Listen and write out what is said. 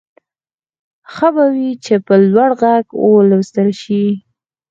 ښه به وي چې په لوړ غږ ولوستل شي.